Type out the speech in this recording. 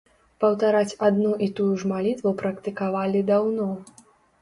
Паўтараць адну і тую ж малітву практыкавалі даўно.